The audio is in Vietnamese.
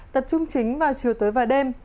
tập trung chính vào chiều tối và đêm